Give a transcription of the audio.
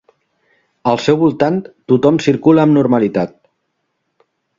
Al seu voltant tothom circula amb normalitat.